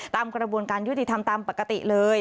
ตามกระบวนการยุติธรรมตามปกติเลย